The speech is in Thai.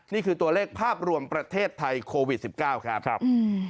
นี่คือตัวเลขภาพรวมประเทศไทยโควิด๑๙ครับ